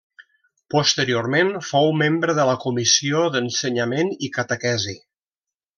Posteriorment fou membre de la Comissió d'Ensenyament i Catequesi.